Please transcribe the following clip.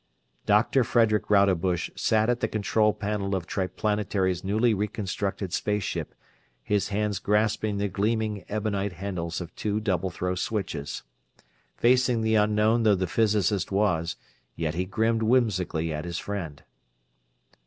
Doctor Frederick Rodebush sat at the control panel of Triplanetary's newly reconstructed space ship, his hands grasping the gleaming, ebonite handles of two double throw switches. Facing the unknown though the physicist was, yet he grinned whimsically at his friend.